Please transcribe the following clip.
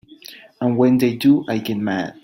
And when they do I get mad.